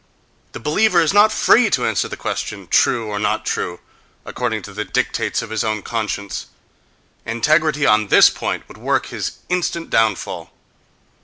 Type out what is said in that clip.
The believer is not free to answer the question, "true" or "not true," according to the dictates of his own conscience: integrity on this point would work his instant downfall.